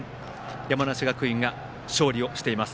山梨学院が勝利をしています。